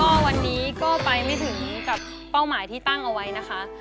ก็วันนี้ก็ไปไม่ถึงกับเป้าหมายที่ตั้งเอาไว้นะคะ